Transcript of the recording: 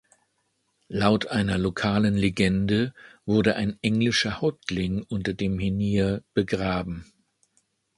Laut einer lokalen Legende wurde ein englischer Häuptling unter dem Menhir begraben.